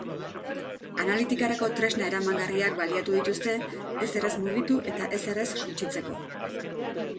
Analitikarako tresna eramangarriak baliatu dituzte, ezer ez mugitu eta ezer ez suntsitzeko.